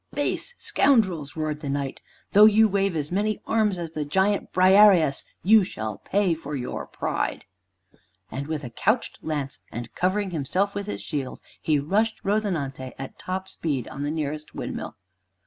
"Base scoundrels!" roared the Knight, "though you wave as many arms as the giant Briareus, you shall pay for your pride." And with couched lance, and covering himself with his shield, he rushed "Rozinante" at top speed on the nearest windmill.